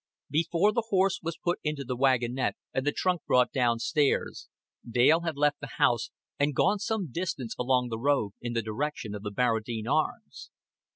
Before the horse was put into the wagonette and the trunk brought down stairs, Dale had left the house and gone some distance along the road in the direction of the Barradine Arms.